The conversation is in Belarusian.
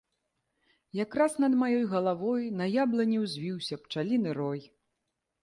Якраз над маёй галавой на яблыні звіўся пчаліны рой.